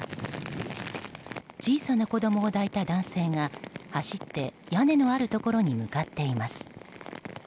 小さな子供を抱いた男性が走って屋根のあるところに向かっています。